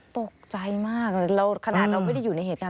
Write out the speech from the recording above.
ตกใจมากขนาดเราไม่ได้อยู่ในเหตุการณ์